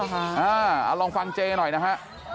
อ๋อเหรอฮะลองฟังเจ๊หน่อยนะฮะ